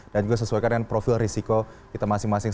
dan juga sesuaikan dengan profil resiko kita masing masing